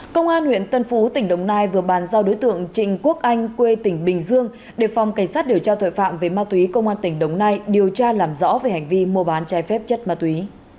công an huyện tân phú tỉnh đồng nai vừa bàn giao đối tượng trịnh quốc anh quê tỉnh bình dương để phòng cảnh sát điều tra tội phạm về ma túy công an tỉnh đồng nai điều tra làm rõ về hành vi mua bán trái phép chất ma túy